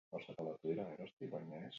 Eta nork salatu du enpresa?